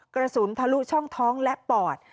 กระสุนทะลุช่องท้องและปอด